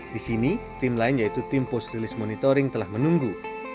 di sini tim lain yaitu tim post release monitoring telah menunggu